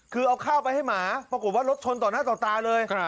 คือเอาข้าวไปให้หมาปรากฏว่ารถชนต่อหน้าต่อตาเลย